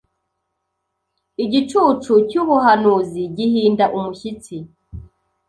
Igicucu cyubuhanuzi gihinda umushyitsi